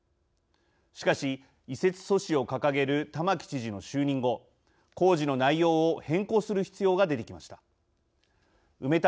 しかし、移設阻止を掲げる玉城知事の就任後工事の内容を変更する必要が出てきました。